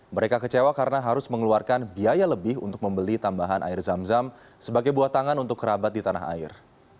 mereka kecewa karena harus mengeluarkan biaya lebih untuk membeli tambahan air zam zam sebagai buatangan untuk kerabat di tanah air